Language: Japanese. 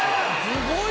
すごい。